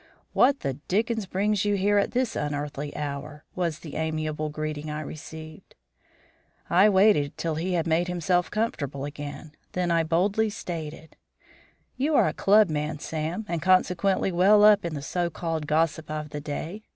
"What the dickens brings you here at this unearthly hour?" was the amiable greeting I received. I waited till he had made himself comfortable again; then I boldly stated: "You are a club man, Sam, and consequently well up in the so called gossip of the day.